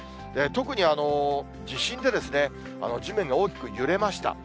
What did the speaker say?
特に地震で地面が大きく揺れました。